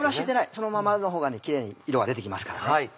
そのままのほうがキレイに色が出て来ますからね。